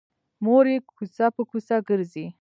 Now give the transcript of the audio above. مور یې کوڅه په کوڅه ګرځي